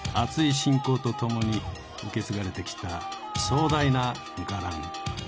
信仰とともに受け継がれてきた壮大な伽藍。